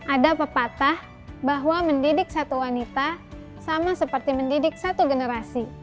ada pepatah bahwa mendidik satu wanita sama seperti mendidik satu generasi